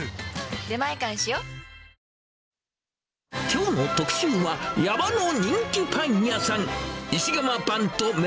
きょうの特集は、山の人気パン屋さん。